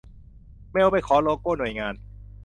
เมลไปขอโลโก้หน่วยงาน